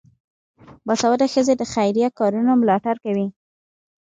باسواده ښځې د خیریه کارونو ملاتړ کوي.